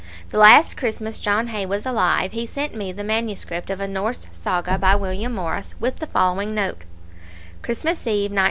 The last Christmas John Hay was alive he sent me the manuscript of a Norse saga by William Morris, with the following note: Christmas Eve, 1904.